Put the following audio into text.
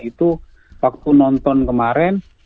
itu waktu nonton kemarin